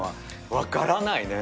分からないね。